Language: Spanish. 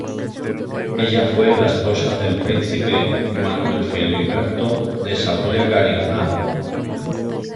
Ella fue la esposa del príncipe Manuel Filiberto de Saboya-Carignano.